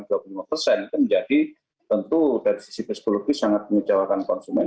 itu menjadi tentu dari sisi psikologis sangat mengecewakan konsumen